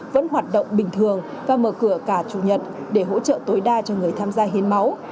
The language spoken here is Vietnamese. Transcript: vẫn hoạt động bình thường và mở cửa cả chủ nhật để hỗ trợ tối đa cho người tham gia hiến máu